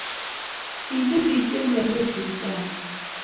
Kinyiy piik Che imnyandos sipitali